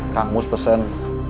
kang mus pesen